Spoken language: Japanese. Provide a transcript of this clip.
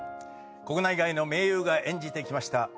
国内外の名優が演じてきました